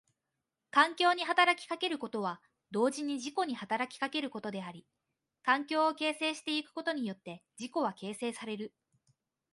環境に働きかけることは同時に自己に働きかけることであり、環境を形成してゆくことによって自己は形成される。